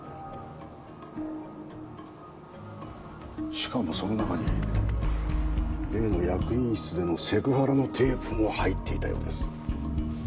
しかもその中に例の役員室でのセクハラのテープも入っていたようです。